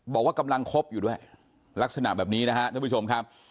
บอกว่ากำลังคบอยู่ด้วยลักษณะแบบนี้นะฮะท่านผู้ชมครับ